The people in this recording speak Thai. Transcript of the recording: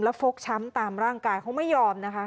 ฟกช้ำตามร่างกายเขาไม่ยอมนะคะ